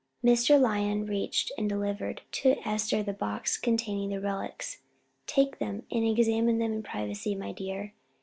Mr. Lyon reached and delivered to Esther the box containing the relics. "Take them, and examine them in privacy, my dear.